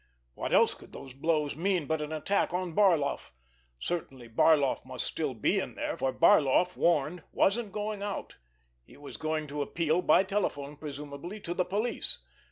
What else could those blows mean but an attack on Barloff? Certainly, Barloff must still be in there, for Barloff, warned, wasn't going out; he was going to appeal, by telephone presumably, to the police.